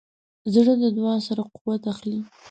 زړه د دعا سره قوت اخلي.